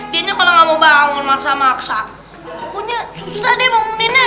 dianya kalau nggak mau bangun maksa maksa pokoknya susah deh banguninnya